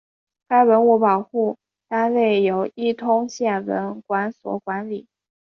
该文物保护单位由伊通县文管所管理。